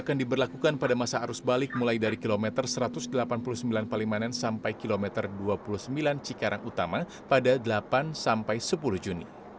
akan diberlakukan pada masa arus balik mulai dari kilometer satu ratus delapan puluh sembilan palimanan sampai kilometer dua puluh sembilan cikarang utama pada delapan sampai sepuluh juni